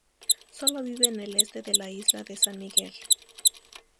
Sólo vive en el este de la isla de San Miguel.